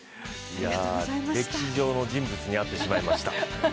歴史上の人物に会ってしまいました。